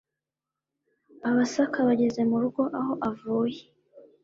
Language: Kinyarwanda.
abasaka bageze murugo aho avuye